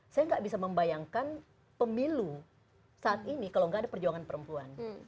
saya nggak bisa membayangkan pemilu saat ini kalau nggak ada perjuangan perempuan